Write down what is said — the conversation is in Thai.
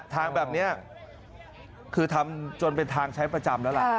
ทางแบบนี้คือทำจนเป็นทางใช้ประจำแล้วล่ะ